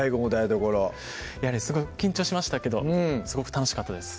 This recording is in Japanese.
すごく緊張しましたけどすごく楽しかったです